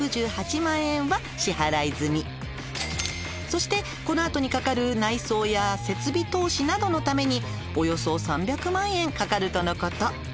「そしてこの後にかかる内装や設備投資などのためにおよそ３００万円かかるとのこと」